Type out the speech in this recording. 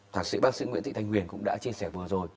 thạc sĩ bác sĩ nguyễn thị thanh huyền cũng đã chia sẻ vừa rồi